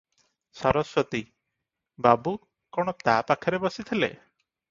ସରସ୍ୱତୀ - ବାବୁ କଣ ତା ପାଖରେ ବସିଥିଲେ?